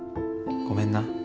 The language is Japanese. ごめんな。